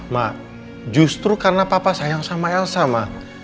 mak justru karena papa sayang sama elsa mak